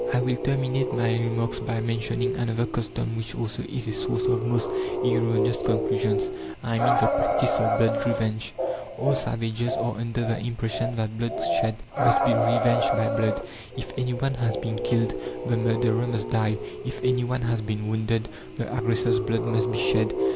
I will terminate my remarks by mentioning another custom which also is a source of most erroneous conclusions. I mean the practice of blood revenge. All savages are under the impression that blood shed must be revenged by blood. If any one has been killed, the murderer must die; if any one has been wounded, the aggressor's blood must be shed.